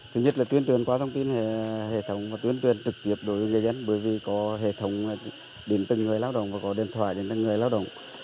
thứ nhất là tuyên truyền qua thông tin hệ thống và tuyên truyền trực tiếp đối với người dân bởi vì có hệ thống đến từng người lao động và có điện thoại đến từng người lao động